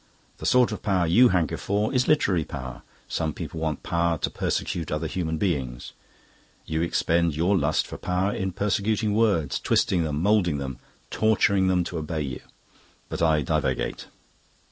The sort of power you hanker for is literary power. Some people want power to persecute other human beings; you expend your lust for power in persecuting words, twisting them, moulding them, torturing them to obey you. But I divagate."